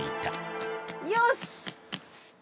よし！